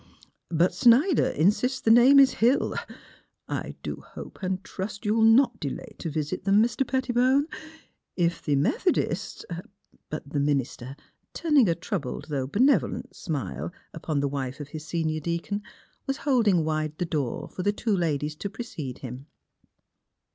But Snider insists the name is Hill. I do hope and trust ^^ou'll not delay to visit them, Mr. Pettibone. If the Methodists " But the minister, turning a troubled, though benevolent smile, upon the Avife of his senior '' A SPOT WHERE SPIRITS BLEND " 39 deacon, was holding wide the door for the two ladies to precede him.